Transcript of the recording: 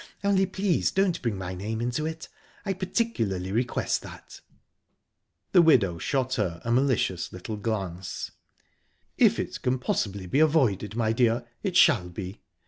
Only, please don't bring my name into it I particularly request that." The widow shot her a malicious little glance. "If it can possibly be avoided, my dear, it shall be.